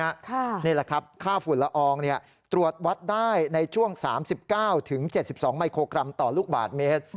นี่แหละครับค่าฝุ่นละอองตรวจวัดได้ในช่วง๓๙๗๒มิโครกรัมต่อลูกบาทเมตร